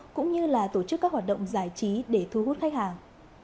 cũng như là tổ chức các hoạt động giải trí để thu hút khách hàng